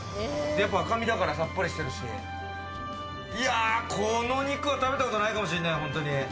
赤身だからさっぱりしてるし、この肉は食べたことないかもしんない、本当に。